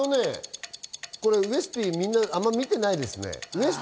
ウエスＰ、みんなあんまり見てないですね。